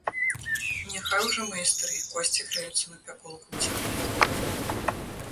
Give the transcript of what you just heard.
Няхай ужо мае старыя косці грэюцца на пяколку ў цяпле!